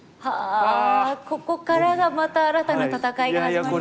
ここからがまた新たな戦いが始まりますね。